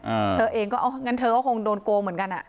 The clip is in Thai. เออเธอเองก็เอางั้นเธอก็คงโดนโกงเหมือนกันอ่ะ